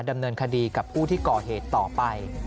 ดำเนินคดีกับผู้ที่ก่อเหตุต่อไป